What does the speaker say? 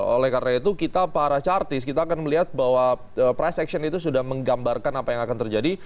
oleh karena itu kita para chartis kita akan melihat bahwa price action itu sudah menggambarkan apa yang akan terjadi